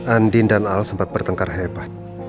andin dan al sempat bertengkar hebat